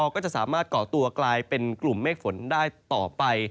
ก็จะสามารถก่อตัวกลายเป็นกลุ่มเมฆฝนได้ต่อไป